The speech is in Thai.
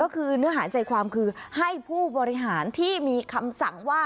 ก็คือเนื้อหาใจความคือให้ผู้บริหารที่มีคำสั่งว่า